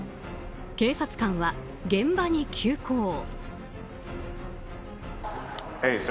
警察官は現場に急行。